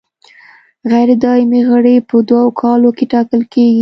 غیر دایمي غړي په دوو کالو کې ټاکل کیږي.